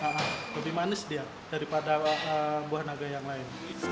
lebih manis dia daripada buah naga yang lain